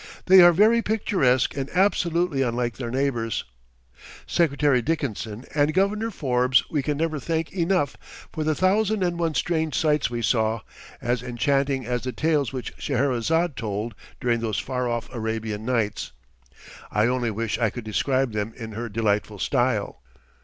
They are very picturesque and absolutely unlike their neighbours. Secretary Dickinson and Governor Forbes we can never thank enough for the thousand and one strange sights we saw, as enchanting as the tales which Scheherezade told during those far off Arabian Nights. I only wish I could describe them in her delightful style!